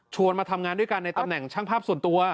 มาทำงานด้วยกันในตำแหน่งช่างภาพส่วนตัว